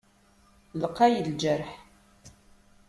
Lqay lǧerḥ.